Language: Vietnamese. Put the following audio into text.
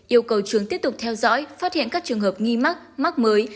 yêu cầu trường tiếp tục theo dõi phát hiện các trường hợp nghi mắc mắc mới